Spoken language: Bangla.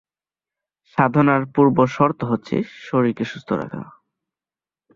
সাধনার পূর্বশর্ত হচ্ছে শরীরকে সুস্থ রাখা।